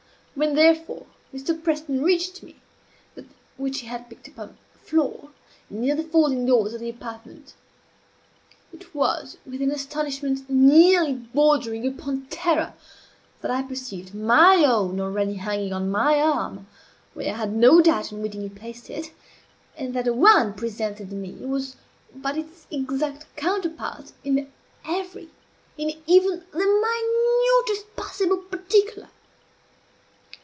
When, therefore, Mr. Preston reached me that which he had picked up upon the floor, and near the folding doors of the apartment, it was with an astonishment nearly bordering upon terror, that I perceived my own already hanging on my arm, (where I had no doubt unwittingly placed it) and that the one presented me was but its exact counterpart in every, in even the minutest possible particular.